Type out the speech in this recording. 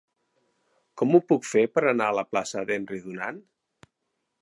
Com ho puc fer per anar a la plaça d'Henry Dunant?